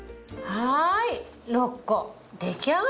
はい。